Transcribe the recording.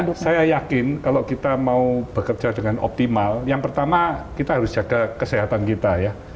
karena saya yakin kalau kita mau bekerja dengan optimal yang pertama kita harus jaga kesehatan kita ya